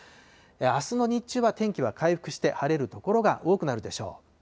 あすの日中は天気は回復して、晴れる所が多くなるでしょう。